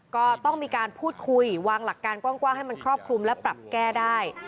ก็ต้องมีการพูดคุยวางหลักการกว้างให้มันครอบคลุมและปรับแก้ได้